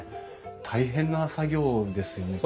大変な作業ですよねきっと。